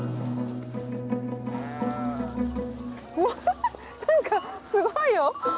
うわっ何かすごいよ。